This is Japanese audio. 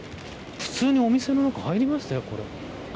普通に、お店の中に入りましたよ。